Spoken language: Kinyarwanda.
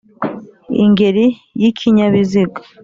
ingeri y’ikinyabiziga